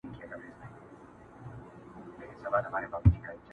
نور به یې پاڼي له نسیمه سره نه نڅیږي،